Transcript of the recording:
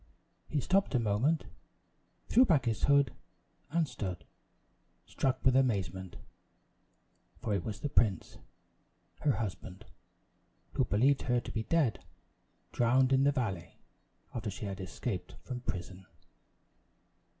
He stopped a moment, threw back his hood, and stood, struck with amazement; for it was the prince, her husband, who believed her to be dead drowned in the valley, after she had escaped from prison!